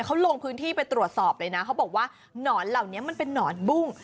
เขาลงพื้นที่ไปตรวจสอบเลยนะเขาบอกว่าหนอนเหล่านี้มันเป็นนอนบุ้ง